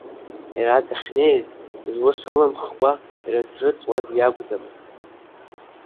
Иара дахьнеиз зус ылымхкәа ирыцрыҵуаз иакәӡамызт.